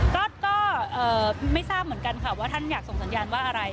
ก็ไม่ทราบเหมือนกันค่ะว่าท่านอยากส่งสัญญาณว่าอะไร